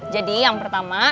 jadi yang pertama